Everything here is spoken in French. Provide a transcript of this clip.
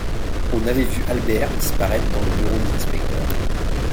On avait vu Albert disparaître dans le bureau des inspecteurs.